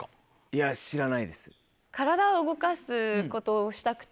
いや知らないです。